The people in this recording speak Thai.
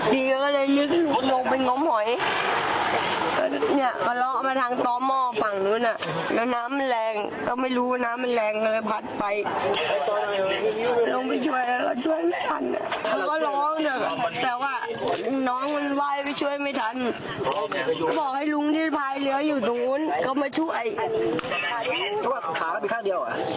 บอกให้ลุงที่พายเหลืออยู่ตรงนู้นเข้ามาช่วย